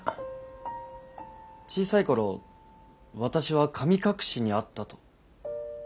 小さいころ私は神隠しにあったと。